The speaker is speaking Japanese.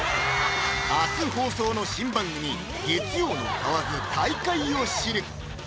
明日放送の新番組「月曜の蛙、大海を知る。」